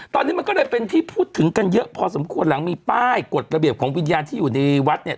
ตอนนี้มันก็เลยเป็นที่พูดถึงกันเยอะพอสมควรหลังมีป้ายกฎระเบียบของวิญญาณที่อยู่ในวัดเนี่ย